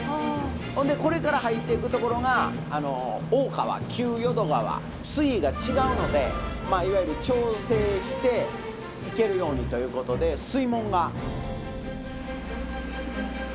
ほんでこれから入っていく所が大川旧淀川水位が違うのでまあいわゆる調整して行けるようにということで水門が。